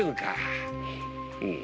うん。